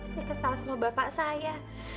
saya kesal sama bapak saya